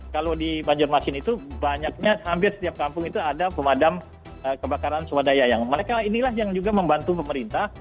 kalau di banjarmasin itu banyaknya hampir setiap kampung itu ada pemadam kebakaran swadaya yang mereka inilah yang juga membantu pemerintah